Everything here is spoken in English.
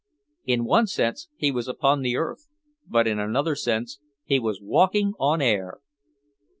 In one sense he was upon earth but in another sense he was walking on air....